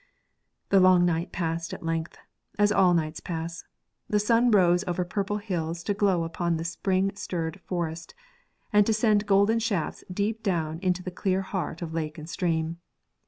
The long night passed at length, as all nights pass. The sun rose over purple hills to glow upon the spring stirred forest and to send golden shafts deep down into the clear heart of lake and stream.